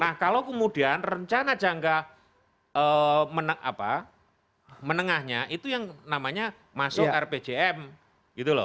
nah kalau kemudian rencana jangka menengahnya itu yang namanya masuk rpjm gitu loh